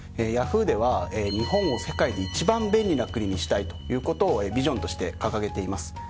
ヤフーでは日本を世界で一番便利な国にしたいということをビジョンとして掲げています。